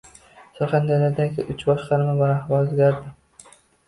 Surxondaryodagi uch boshqarmada rahbar o‘zgardi